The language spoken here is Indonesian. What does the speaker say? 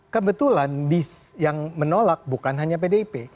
kebetulan yang menolak bukan hanya pdip